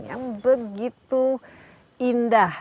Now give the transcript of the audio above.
yang begitu indah